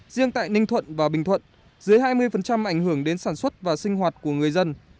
riêng tại ninh thuận và bình thuận dưới hai mươi ảnh hưởng đến sản xuất và sinh hoạt của người dân